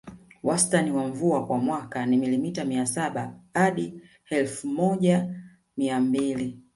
Wastani wa mvua kwa mwaka ni milimita mia saba hadi elfu moja mia mbili